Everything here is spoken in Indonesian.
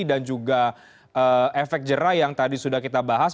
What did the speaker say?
dan juga efek jera yang tadi sudah kita bahas